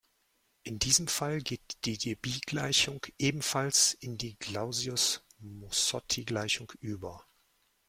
In diesem Fall geht die Debye-Gleichung ebenfalls in die Clausius-Mossotti-Gleichung über.